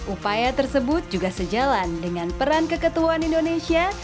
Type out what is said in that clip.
upaya tersebut juga sejalan dengan peran keketuaan indonesia